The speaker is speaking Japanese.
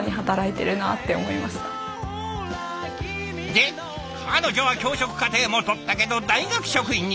で彼女は教職課程もとったけど大学職員に。